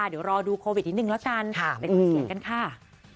เดี๋ยวรอดูโควิดนิดนึงแล้วกันไปฟังเสียงกันค่ะ